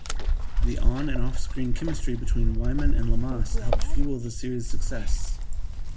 The on- and off-screen chemistry between Wyman and Lamas helped fuel the series' success.